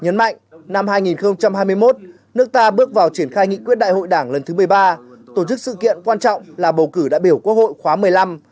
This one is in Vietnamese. nhấn mạnh năm hai nghìn hai mươi một nước ta bước vào triển khai nghị quyết đại hội đảng lần thứ một mươi ba tổ chức sự kiện quan trọng là bầu cử đại biểu quốc hội khóa một mươi năm